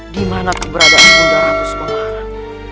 dimana keberadaan bunda ratu semarang